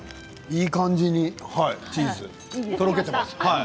いい感じにチーズがとろけています。